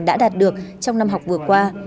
đã đạt được trong năm học vừa qua